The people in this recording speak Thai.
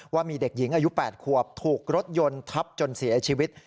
ว่ามีเด็กหญิงอายุ๘ขวบถูกรถยนต์ทับจนเสียชีวิต